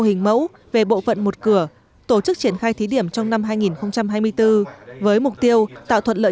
hình mẫu về bộ phận một cửa tổ chức triển khai thí điểm trong năm hai nghìn hai mươi bốn với mục tiêu tạo thuận lợi